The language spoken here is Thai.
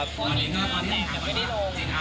วันนี้ก็มีผ่านที่ได้ลง